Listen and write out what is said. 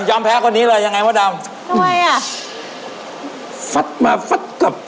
แพ้คนนี้เลยยังไงมดดำทำไมอ่ะฟัดมาฟัดกับ